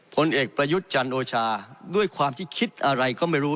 ผลเอกประยุทธ์จันโอชาด้วยความที่คิดอะไรก็ไม่รู้